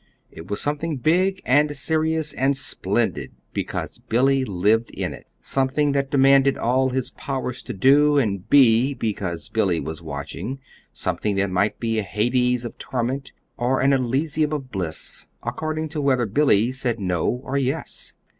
It was something big and serious and splendid because Billy lived in it; something that demanded all his powers to do, and be because Billy was watching; something that might be a Hades of torment or an Elysium of bliss according to whether Billy said "no" or "yes."